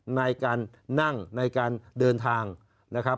ในการนั่งในการเดินทางนะครับ